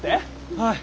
はい。